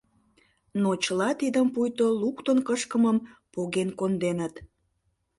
Но чыла тидым пуйто луктын кышкымым поген конденыт.